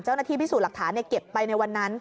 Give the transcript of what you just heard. เจ้าหน้าที่พิสูจน์หลักฐานเก็บไปในวันนั้น